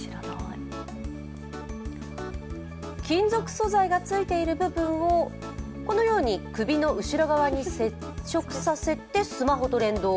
金属素材がついている部分をこのように首の後ろ側に接触させてスマホと連動。